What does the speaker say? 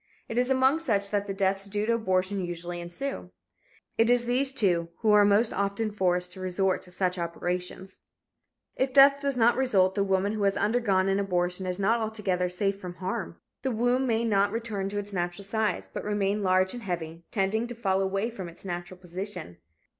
It is among such that the deaths due to abortion usually ensue. It is these, too, who are most often forced to resort to such operations. If death does not result, the woman who has undergone an abortion is not altogether safe from harm. The womb may not return to its natural size, but remain large and heavy, tending to fall away from its natural position.